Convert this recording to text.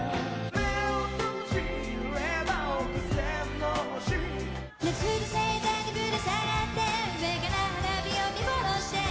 「目を閉じれば億千の星」「夏の星座にぶらさがって上から花火を見下ろして」